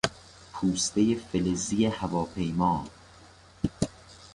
پوستهی فلزی هواپیما